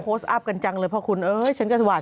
โพสต์อัพกันจังเลยพ่อคุณฉันก็สวัสดี